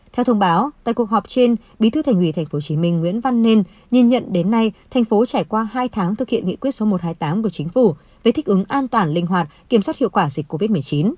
theo thông báo tại cuộc họp trên bí thư thành ủy tp hcm nguyễn văn nên nhìn nhận đến nay thành phố trải qua hai tháng thực hiện nghị quyết số một trăm hai mươi tám của chính phủ về thích ứng an toàn linh hoạt kiểm soát hiệu quả dịch covid một mươi chín